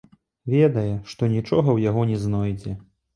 Ведае, што нічога ў яго не знойдзе.